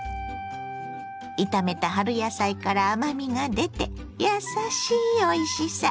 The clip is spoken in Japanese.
炒めた春野菜から甘みが出てやさしいおいしさ。